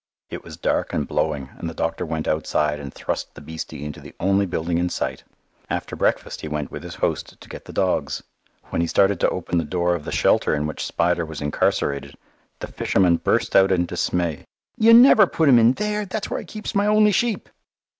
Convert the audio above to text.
It was dark and blowing, and the doctor went outside and thrust the beastie into the only building in sight. After breakfast he went with his host to get the dogs. When he started to open the door of the shelter in which Spider was incarcerated, the fisherman burst out in dismay, "You never put him in there? That's where I keeps my only sheep."